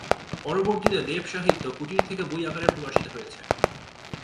পরবর্তীতে দেব সাহিত্য কুটির থেকে বই আকারে প্রকাশিত হয়েছে।